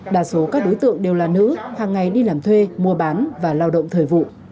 đa số các đối tượng đều là nữ hàng ngày đi làm thuê mua bán và lao động thời vụ